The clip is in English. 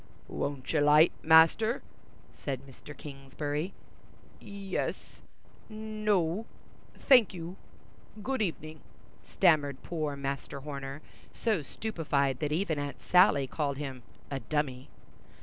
"Won't you 'light, Master?" said Mr. Kingsbury. "Yes—no—thank you—good evening," stammered poor Master Horner, so stupefied that even Aunt Sally called him "a dummy."